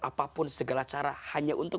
apapun segala cara hanya untuk